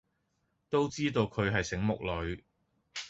都知道佢係醒目女